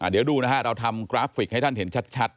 เดี๋ยวดูนะฮะเราทำกราฟิกให้ท่านเห็นชัด